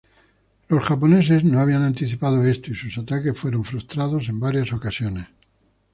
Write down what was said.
Los japoneses no habían anticipado esto, y sus ataques fueron frustrados en varias ocasiones.